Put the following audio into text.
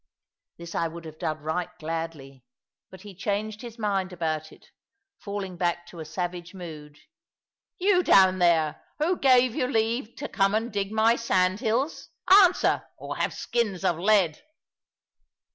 This I would have done right gladly, but he changed his mind about it, falling back to a savage mood. "You down there, who gave you leave to come and dig my sandhills? Answer, or have skins of lead."